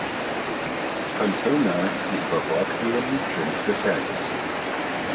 Container, die über Bord gehen, sind gefährlich.